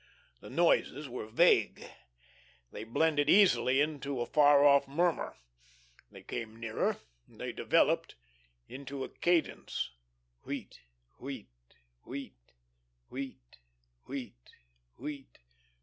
The noises were vague. They blended easily into a far off murmur; they came nearer; they developed into a cadence: "Wheat wheat wheat, wheat wheat wheat."